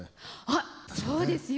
あっそうですよ。